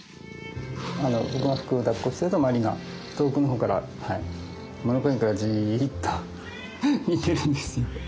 僕がふくをだっこしているとまりが遠くの方から物陰からじっと見てるんですよ。